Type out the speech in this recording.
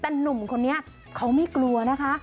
แต่หนุ่มคนนี้เขาไม่กลัวนะคะ